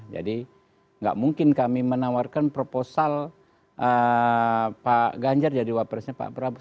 jadi gak mungkin kami menawarkan proposal pak ganjar jadi wapresnya pak prabowo